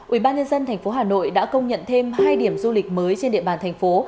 ubnd tp hà nội đã công nhận thêm hai điểm du lịch mới trên địa bàn thành phố